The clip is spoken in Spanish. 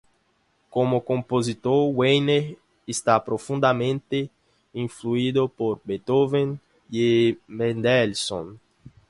Como compositor, Weiner está profundamente influido por Beethoven y Mendelssohn.